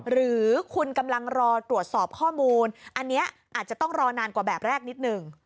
หรือคุณกำลังรอตรวจสอบข้อมูลอันนี้อาจจะต้องรอนานกว่าแบบแรกนิดหนึ่ง